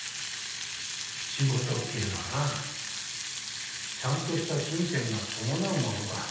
仕事っていうのはなちゃんとした金銭が伴うものだ。